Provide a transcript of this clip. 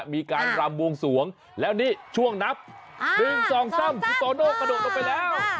มีการลำวงสวงแล้วนี่ช่วงนับอ่าสองส้ำคุณโตโน่กระโดดออกลงไปแล้ว